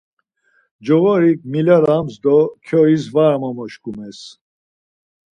Coğorik milalams do kyois var amamoşkumes.